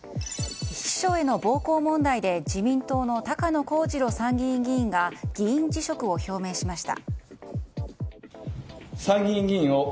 秘書への暴行問題で自民党の高野光二郎参議院議員が議員辞職を表明しました。